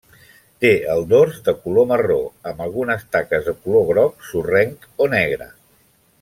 Té el dors de color marró, amb algunes taques de color groc sorrenc o negre.